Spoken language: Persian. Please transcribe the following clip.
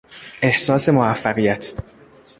احساس موفقیت